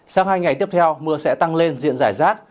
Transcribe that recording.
sau hai ngày tiếp theo mưa sẽ tăng lên diện giải rác